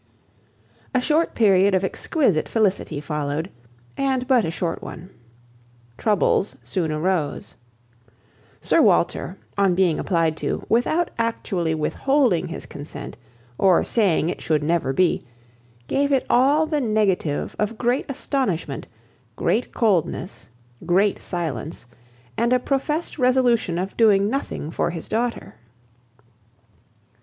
A short period of exquisite felicity followed, and but a short one. Troubles soon arose. Sir Walter, on being applied to, without actually withholding his consent, or saying it should never be, gave it all the negative of great astonishment, great coldness, great silence, and a professed resolution of doing nothing for his daughter.